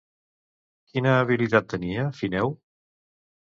Quina habilitat tenia Fineu?